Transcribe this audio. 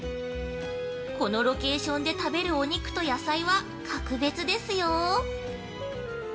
このロケーションで食べるお肉と野菜は格別ですよ。